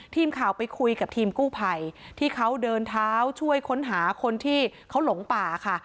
ทีมข่าวไปคุยกับทีมกู้ภัยที่เขาเดินเท้าช่วยค้นหาคนที่เขาหลงป่าค่ะ